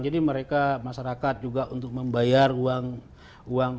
jadi masyarakat juga untuk membayar uang